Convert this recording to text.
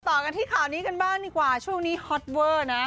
ต่อกันที่ข่าวนี้กันบ้างดีกว่าช่วงนี้ฮอตเวอร์นะ